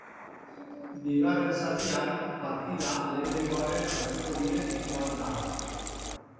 Bigarren zatian, partida lehenengoaren antzeko bidetik joan da.